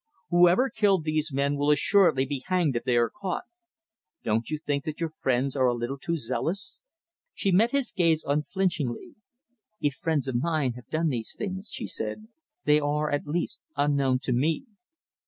Whoever killed these men will assuredly be hanged if they are caught. Don't you think that your friends are a little too zealous?" She met his gaze unflinchingly. "If friends of mine have done these things," she said, "they are at least unknown to me!"